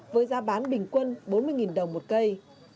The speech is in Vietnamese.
với giá bán bình quân bốn mươi đồng một cây